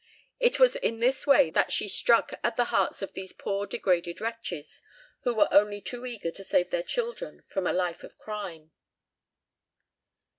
It was in this way that she struck at the hearts of these poor degraded wretches, who were only too eager to save their children from a life of crime.